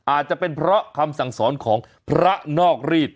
อาจจะเป็นเพราะคำสั่งสอนของพระนอกรีด